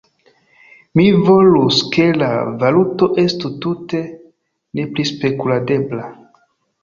Mi volus ke la valuto estu tute neprispekuladebla.